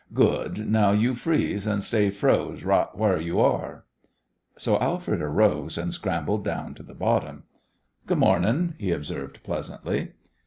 Good! Now, you freeze, and stay froze right whar you are." So Alfred arose and scrambled down to the bottom. "Good mornin'," he observed, pleasantly.